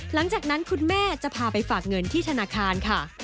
หลังจากนั้นคุณแม่จะพาไปฝากเงินที่ธนาคารค่ะ